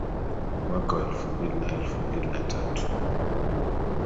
Mwaka wa elfu mbili na elfu mbili na tatu